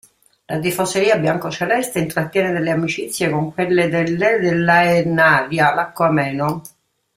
La tifoseria biancoceleste intrattiene delle amicizie con quelle dell' e dell'Aenaria Lacco Ameno.